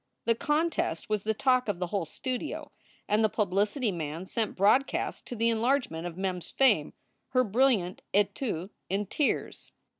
The contest was the talk of the whole studio, and the publicity man sent broadcast, to the enlargement of Mem s fame, her brilliant etude in tears.